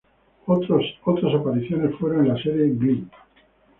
Otras apariciones fueron en la serie "Glee".